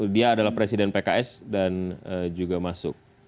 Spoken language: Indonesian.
dia adalah presiden pks dan juga masuk